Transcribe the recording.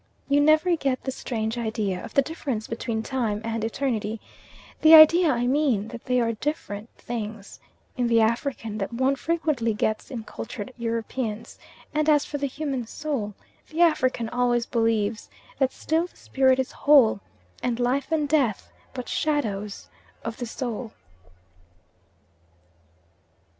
You never get the strange idea of the difference between time and eternity the idea I mean, that they are different things in the African that one frequently gets in cultured Europeans; and as for the human soul, the African always believes "that still the spirit is whole, and life and death but shadows of the soul."